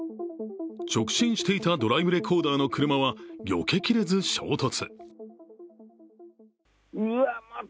直進していたドライブレコーダーの車はよけきれず衝突。